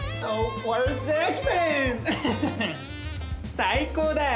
最高だよ！